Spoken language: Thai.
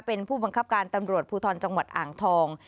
เป็นผู้บังคับการตำรวจภูทรจังหวัดอ่างทอง